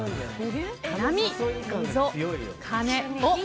波、溝、鐘。